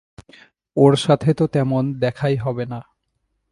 ওর সাথে তো তেমন দেখাই হবেনা।